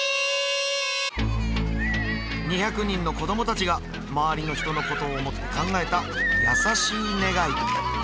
２００人の子どもたちが周りの人のことを思って考えた優しい願い